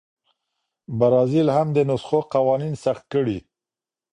برازیل هم د نسخو قوانین سخت کړي.